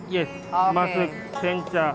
yes masuk sencha